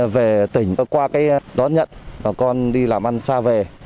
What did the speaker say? về tỉnh qua đón nhận bà con đi làm ăn xa về